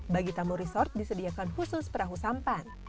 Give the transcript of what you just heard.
bagi tamu resort disediakan khusus perahu sampan